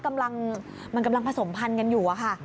มันกำลังผสมพันธ์กันอยู่ค่ะ